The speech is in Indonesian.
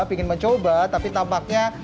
ingin mencoba tapi tampaknya